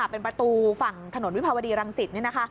เป็นประตูฝั่งถนนวิภาวดีรังสิต